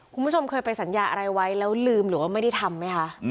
คุณผู้ชมเคยไปสัญญาอะไรไว้แล้วลืมหรือว่าไม่ได้ทำไหมคะ